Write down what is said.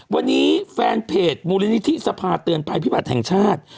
วันนี้แฟนเพจมูลนิธิสภาเตือนภัยพิบัติแห่งชาติ